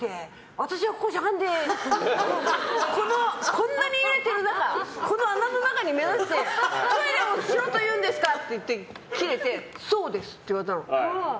私がここ、しゃがんでこんなに揺れてる中この穴の中目指してトイレをしろと言うんですかってキレて、そうですって言われたの。